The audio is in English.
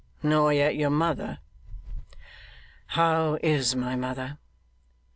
Nor yet your mother.' 'How is my mother?